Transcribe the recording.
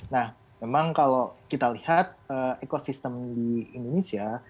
nah memang kalau kita lihat ekosistem di indonesia